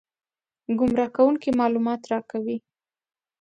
ګمراه کوونکي معلومات راکوي.